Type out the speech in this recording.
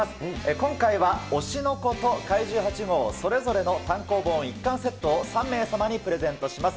今回は推しの子と怪獣８号それぞれの単行本１巻セットを３名様にプレゼントします。